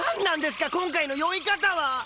今回の酔い方は！